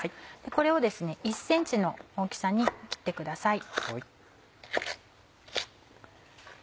これをですね１ｃｍの大きさに切ってください。